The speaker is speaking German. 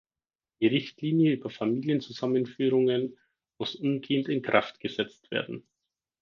Die Richtlinie über Familienzusammenführungen muss umgehend in Kraft gesetzt werden.